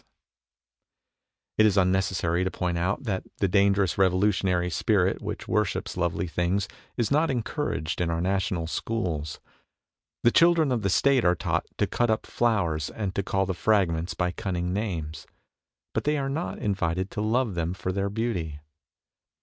22 MONOLOGUES It is unnecessary to point out that the dangerous revolutionary spirit which wor ships lovely things is not encouraged in our national schools. The children of the State are taught to cut up flowers and to call the fragments by cunning names, but they are not invited to love them for their beauty